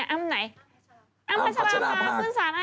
อั้มพัชราบาทขึ้นศาลอายา